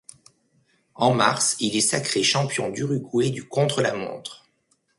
En mars, il est sacré champion d'Uruguay du contre-la-montre.